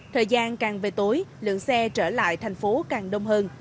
thời gian càng về tối lượng xe trở lại thành phố càng đông hơn